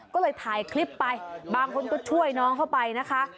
ก็เลยถ่ายคลิปไปบางคนก็ช่วยน้องเข้าไปนะคะ